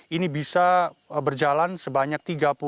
ini bisa berjalan sebanyak tiga puluh